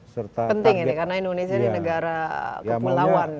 penting ini karena indonesia ini negara kepulauan